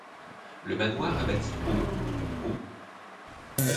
Le manoir est bâti au ou au -.